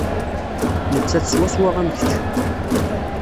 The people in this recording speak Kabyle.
Nettat swaswa am kečč.